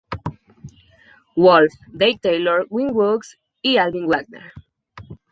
Wolf, Dave Taylor, Win Woods y Alvin Wagner.